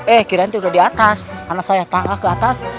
eh kirain tuh udah di atas anak saya tangga ke atas